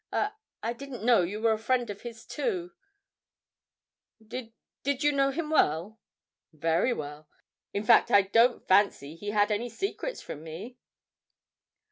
I I didn't know you were a friend of his, too; did did you know him well?' 'Very well; in fact I don't fancy he had any secrets from me.'